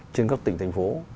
trên các tỉnh thành phố